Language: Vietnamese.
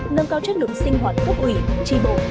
nâng cao chất lượng sinh hoạt cấp ủy tri bộ